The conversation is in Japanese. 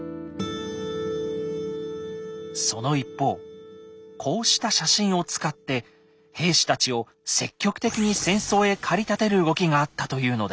その一方こうした写真を使って兵士たちを積極的に戦争へ駆り立てる動きがあったというのです。